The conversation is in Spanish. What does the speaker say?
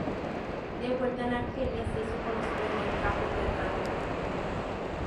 De vuelta en Argelia, se hizo conocido en el campo teatral.